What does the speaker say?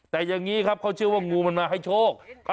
แต่อย่างนี้ครับเขาเชื่อว่างูมันมาให้โชค